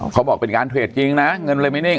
เขาบอกเป็นการเทรดจริงนะเงินเลยไม่นิ่ง